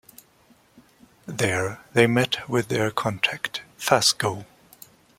There, they meet with their contact, Fasgo.